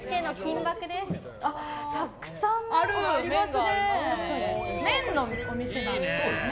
たくさんありますね。